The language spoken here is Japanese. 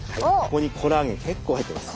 ここにコラーゲン結構入ってます。